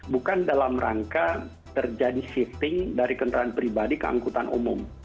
bukan dalam rangka terjadi shifting dari kendaraan pribadi ke angkutan umum